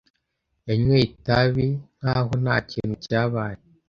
Yanyweye itabi nkaho ntakintu cyabaye.